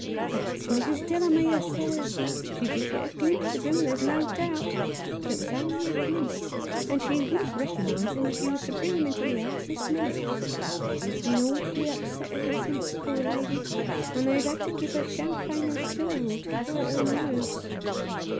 "That's Mrs. Delamere, sir. She did get a glimpse of him, there's no doubt — but it was only a glimpse, and she wquldn't rekernise him, if you was to bring him into the house this minute. She's been awfully upset ever since, poor lady, and they've had to give her champagne and chloral to quiet her nerves."